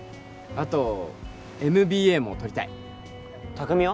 あとＭＢＡも取りたい巧は？